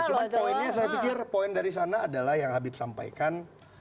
cuma poinnya saya pikir poin dari sana adalah yang habib sampaikan